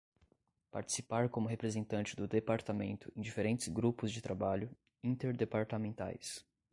Participar como representante do Departamento em diferentes grupos de trabalho interdepartamentais.